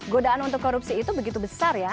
godaan untuk korupsi itu begitu besar ya